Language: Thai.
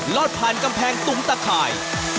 อดผ่านกำแพงตุ๋มตะข่าย